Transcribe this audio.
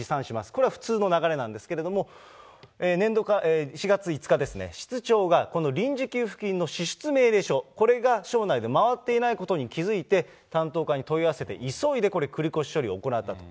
これは普通の流れなんですけれども、４月５日ですね、室長が、この臨時給付金の支出命令書、これが町内で回っていないことに気付いて、担当課に問い合わせて、急いでこれ、繰り越し処理を行ったと。